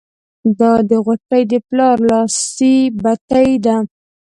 دا د غوټۍ د پلار لاسي بتۍ ده.